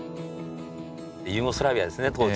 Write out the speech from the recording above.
ユーゴスラビアですね当時。